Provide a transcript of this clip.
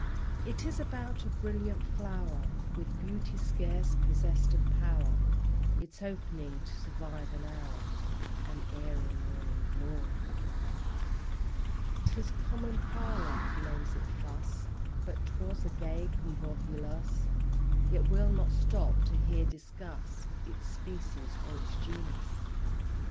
It is about a brilliant flower, With beauty scarce possessed of power Its opening to survive an hour An airy Morning Glory. 'Tis common parlance names it thus; But 'twas a gay convolvulus: Yet we'll not stop to here discuss Its species or its genus.